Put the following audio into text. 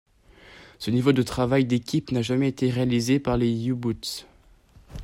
Ce niveau de travail d'équipe n'a jamais été réalisé par les U-Boots.